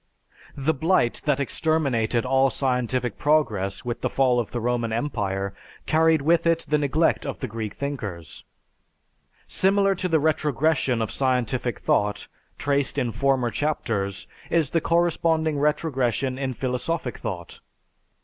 The blight that exterminated all scientific progress, with the fall of the Roman Empire, carried with it the neglect of the Greek thinkers. Similar to the retrogression of scientific thought, traced in former chapters, is the corresponding retrogression in philosophic thought.